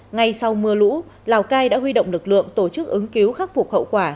ngay sau mưa lũ lào cai đã huy động lực lượng tổ chức ứng cứu khắc phục hậu quả